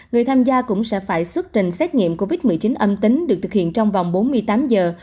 người tham gia cũng sẽ phải xuất trình xét nghiệm covid một mươi chín âm tính được thực hiện trong vòng bốn mươi tám giờ